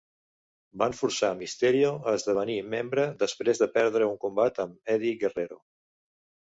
Van forçar Mysterio a esdevenir membre després de perdre un combat amb Eddie Guerrero.